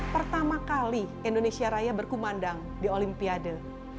pertama kali indonesia raya berkumandang di olimpiade